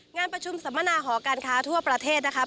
งานประชุมสัมมนาหอการค้าทั่วประเทศนะคะ